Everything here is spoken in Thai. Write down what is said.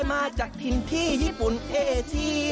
ลอยมาจากดินที่เฮีย์พรุนเอเซีย